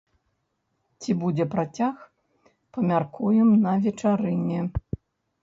Ці будзе працяг, памяркуем на вечарыне.